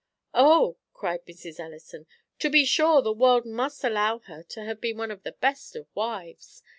"O!" cries Mrs. Ellison, "to be sure the world must allow her to have been one of the best of wives.